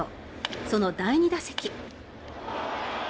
その第２打席。